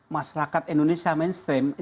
masyarakat indonesia mainstream